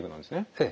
ええ。